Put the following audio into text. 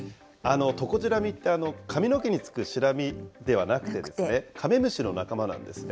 トコジラミって髪の毛につくシラミではなくて、カメムシの仲間なんですね。